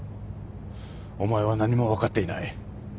お前は何も分かっていない。